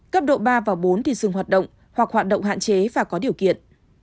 cấp độ ba và bốn thì dừng hoạt động hoặc hoạt động hạn chế và có điều kiện